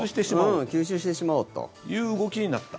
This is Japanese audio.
吸収してしまおうという動きになった。